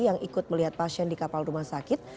yang ikut melihat pasien di kapal rumah sakit